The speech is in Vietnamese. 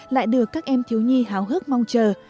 lại được các em thiếu nhi háo hức mong chờ